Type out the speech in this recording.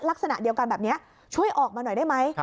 ลักษณะเดียวกันแบบนี้ช่วยออกมาหน่อยได้ไหม